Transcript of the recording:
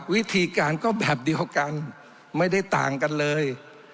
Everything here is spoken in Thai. วิธีการก็แบบเดียวกันไม่ได้ต่างกันเลย